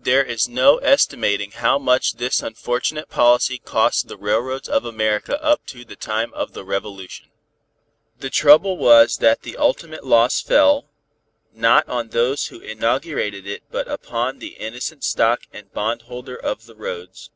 There is no estimating how much this unfortunate policy cost the railroads of America up to the time of the Revolution. The trouble was that the ultimate loss fell, not on those who inaugurated it but upon the innocent stock and bondholder of the roads.